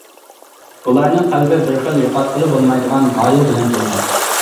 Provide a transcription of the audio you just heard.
ئۇلارنىڭ قەلبى بىر خىل يوقاتقىلى بولمايدىغان غايە بىلەن تولغان.